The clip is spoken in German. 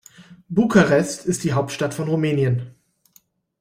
Bukarest ist die Hauptstadt von Rumänien.